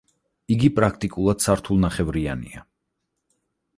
იგი პრაქტიკულად სართულნახევრიანია.